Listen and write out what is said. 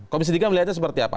komisi tiga melihatnya seperti apa